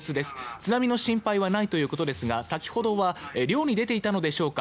津波の心配はないということですが先ほどは漁に出ていたのでしょうか